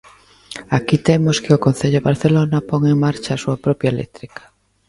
Aquí temos que o Concello de Barcelona pon en marcha a súa propia eléctrica.